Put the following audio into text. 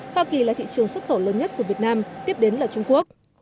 hoa kỳ là thị trường xuất khẩu lớn nhất của việt nam tiếp đến là trung quốc